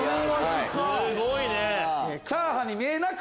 すごいね！